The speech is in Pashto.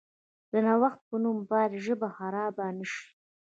د نوښت په نوم باید ژبه خرابه نشي.